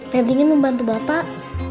pebli ingin membantu bapak